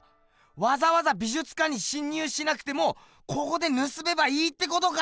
わざわざ美術館に侵入しなくてもここでぬすめばいいってことか！